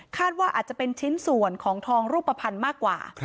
ว่าอาจจะเป็นชิ้นส่วนของทองรูปภัณฑ์มากกว่า